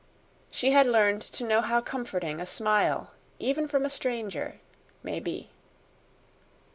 She had learned to know how comforting a smile, even from a stranger, may be.